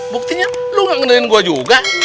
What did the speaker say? buktinya lu gak ngendalin gua juga